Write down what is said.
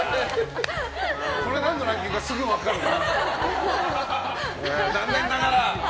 これ何のランキングかすぐ分かるな。